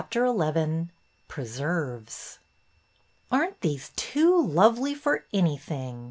'' XI PRESERVES " NT these too lovely for anything